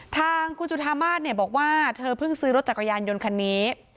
ทางคุณจุธามาศบอกว่าเธอเพิ่งซื้อรถจักรยานยนต์คันนี้